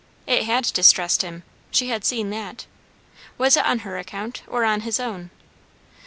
It had distressed him, she had seen that. Was it on her account? or on his own?